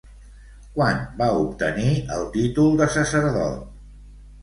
Quan va obtenir el títol de sacerdot?